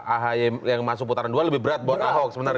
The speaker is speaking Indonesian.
ahy yang masuk putaran dua lebih berat buat ahok sebenarnya